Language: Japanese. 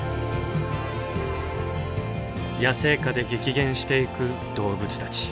野生下で激減していく動物たち。